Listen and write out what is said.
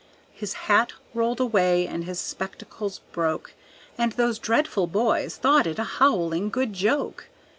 His hat rolled away, and his spectacles broke, And those dreadful boys thought it a howling good joke.